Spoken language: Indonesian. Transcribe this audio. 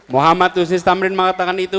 muhammad husses tamrin mengatakan itu